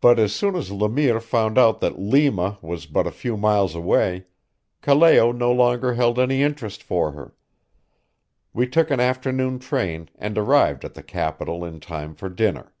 But as soon as Le Mire found out that Lima was but a few miles away, Callao no longer held any interest for her. We took an afternoon train and arrived at the capital in time for dinner.